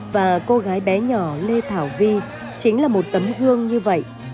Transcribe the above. và cô gái bé nhỏ lê thảo vi chính là một tấm gương như vậy